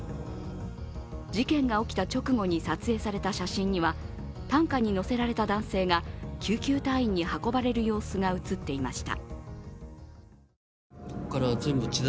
事件が起きた直後に撮影された写真には、担架に乗せられた男性が救急隊員に運ばれる様子が写っていました。